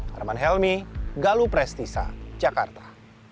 harman helmy galu prestisa jakarta